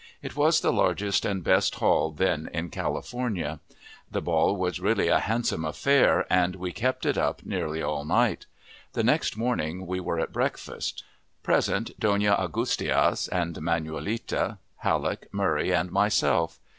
It was the largest and best hall then in California. The ball was really a handsome affair, and we kept it up nearly all night. The next morning we were at breakfast: present, Dona Augustias, and Manuelita, Halleck, Murray, and myself.